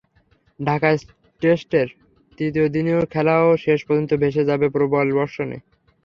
ঢাকা টেস্টের তৃতীয় দিনের খেলাও শেষ পর্যন্ত ভেসে যাবে প্রবল বর্ষণে।